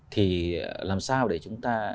thì làm sao để chúng ta